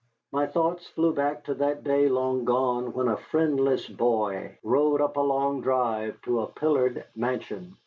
My thoughts flew back to that day long gone when a friendless boy rode up a long drive to a pillared mansion.